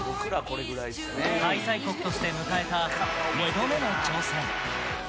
開催国として迎えた２度目の挑戦。